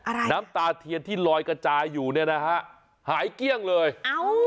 น้ำตาเทียนที่ลอยกระจายอยู่เนี่ยนะฮะหายเกลี้ยงเลยเอ้า